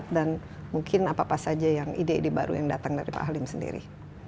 dan mungkin apa saja ide baru yang datang dari pak halim sendiri